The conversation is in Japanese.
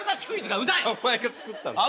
お前が作ったんだろうが。